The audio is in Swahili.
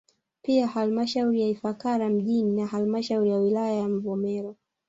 Pia halmashauri ya Ifakara mjini na halmashauri ya wilaya ya Mvomero